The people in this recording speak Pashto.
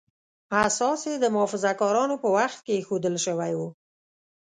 اساس یې د محافظه کارانو په وخت کې ایښودل شوی و.